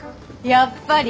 やっぱり！